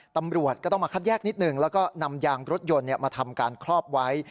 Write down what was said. ตำรวจก็ต้องมาคัดแยกนิดหนึ่งแล้วก็นำยางรถยนต์มาทำการครอบไว้